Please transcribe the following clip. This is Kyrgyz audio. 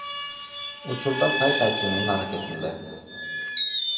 Учурда сайт ачуунун аракетинде.